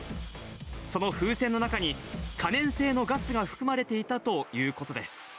その風船の中に、可燃性のガスが含まれていたということです。